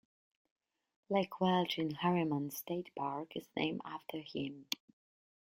Lake Welch in Harriman State Park is named after him.